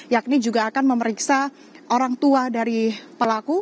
yakni juga akan memeriksa orang tua dari pelaku